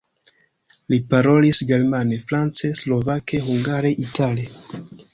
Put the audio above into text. Li parolis germane, france, slovake, hungare, itale.